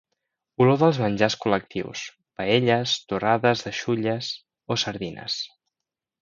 Olor dels menjars col·lectius: paelles, torrades de xulles o sardines.